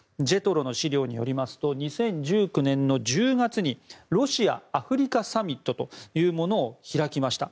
ＪＥＴＲＯの資料によりますと２０１９年の１０月にロシア・アフリカサミットというものを開きました。